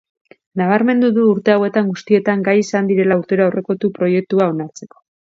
Nabarmendu du urte hauetan guztietan gai izan direla urtero aurrekontu proiektua onartzeko.